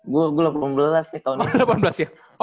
gue delapan belas ya tahun lalu